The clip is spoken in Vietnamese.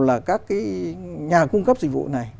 là các nhà cung cấp dịch vụ này